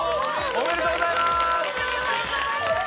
ありがとうございます！